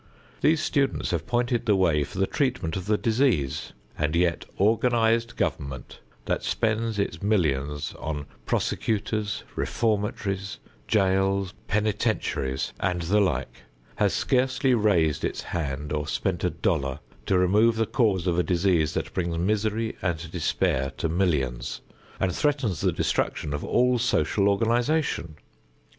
These students have pointed the way for the treatment of the disease, and yet organized government that spends its millions on prosecutions, reformatories, jails, penitentiaries and the like, has scarcely raised its hand or spent a dollar to remove the cause of a disease that brings misery and despair to millions and threatens the destruction of all social organization!